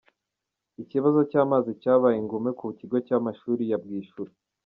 Ikibazo cy’amazi cyabaye ingume ku kigo cy’amashuri cya Bwishura